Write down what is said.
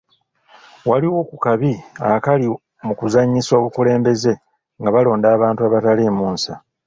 Waliwo ku kabi akali mu kuzannyisa obukulembeze nga balonda abantu abataliimu nsa.